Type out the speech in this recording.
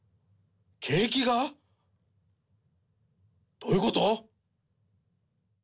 どういうこと！？